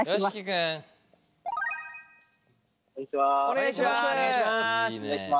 お願いします。